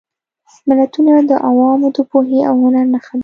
متلونه د عوامو د پوهې او هنر نښه ده